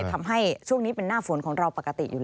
ทำให้ช่วงนี้เป็นหน้าฝนของเราปกติอยู่แล้ว